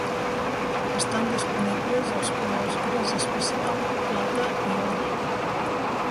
Estan disponibles els colors gris espacial, plata i or.